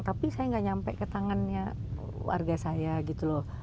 tapi saya nggak nyampe ke tangannya warga saya gitu loh